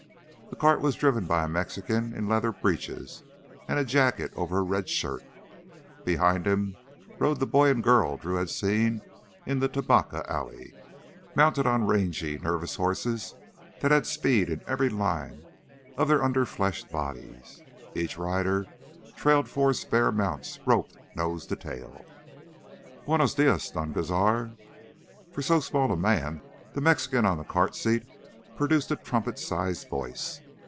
The cart was driven by a Mexican in leather breeches and jacket over a red shirt. Behind him rode the boy and girl Drew had seen in the Tubacca alley, mounted on rangy, nervous horses that had speed in every line of their under fleshed bodies. Each rider trailed four spare mounts roped nose to tail. "Buenos días, Don Cazar." For so small a man the Mexican on the cart seat produced a trumpet sized voice.